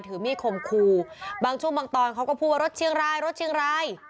ถือมีดคมครูบางช่วงบางตอนเขาก็พูดว่ารถเชียงรายรถเชียงราย